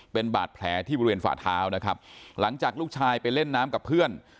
เป็นบาดแผลที่บริเวณฝ่าเท้านะครับหลังจากลูกชายไปเล่นน้ำกับเพื่อน